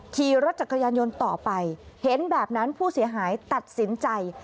ขี่รถจักรยานยนต์ต่อไปเห็นแบบนั้นผู้เสียหายตัดสินใจ